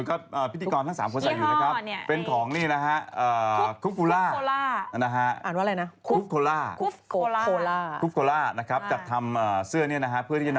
ยกขาฉีขาเย็นไปเครื่องหนึ่ง